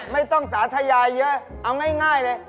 ไม่ต้องสาธยายเยอะเอาง่ายเลย